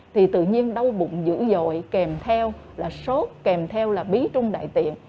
thì tự nhiên đau bụng dữ dội kèm theo là sốt kèm theo là bí trung đại tiện